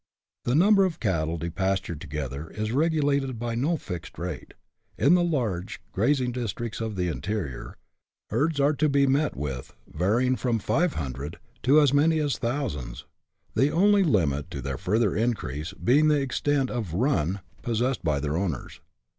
The number of cattle depastured together is regulated by no fixed rate. In the large grazing districts of the interior, herds are to be met with varying from five hundred to as many thousands, the only limit to tlieir further increase being the extent of " run " possessed by their owners.